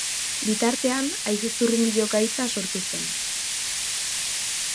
Bitartean, haize zurrunbilo gaitza sortu zen.